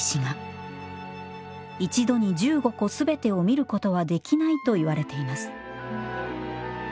一度に１５個全てを見ることはできないといわれています